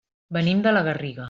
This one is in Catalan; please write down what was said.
Venim de la Garriga.